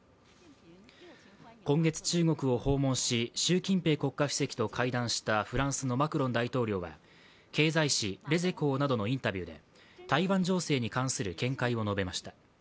今月、中国を訪問し習近平国家主席と会談したフランスのマクロン大統領は、経済紙「レゼコー」などのインタビューで台湾情勢に関する見解を述べました。